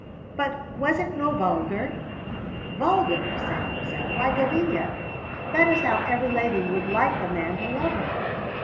"But was it no vulgar?" "Vulgar!" said Grizel. "Why, Gavinia, that is how every lady would like a man to love her."